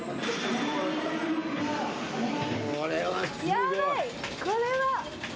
やばい、これは。